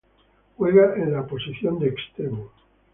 Juega en la posición de extremo.